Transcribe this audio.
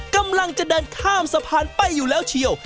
กำลังจะเดินข้ามสะพานไปอยู่แล้วเชียว